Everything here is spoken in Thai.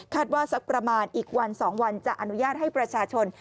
ว่าสักประมาณอีกวัน๒วันจะอนุญาตให้ประชาชน